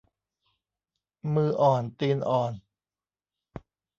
มืออ่อนตีนอ่อน